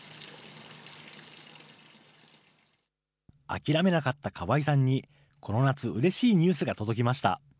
諦めなかった川井さんにこの夏、うれしいニュースが届きました。